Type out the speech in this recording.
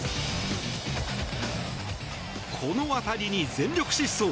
この当たりに全力疾走。